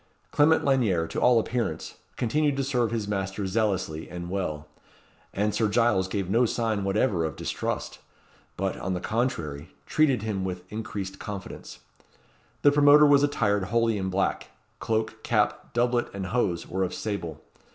Clement Lanyere, to all appearance, continued to serve his master zealously and well; and Sir Giles gave no sign whatever of distrust, but, on the contrary, treated him with increased confidence. The promoter was attired wholly in black cloak, cap, doublet, and hose were of sable.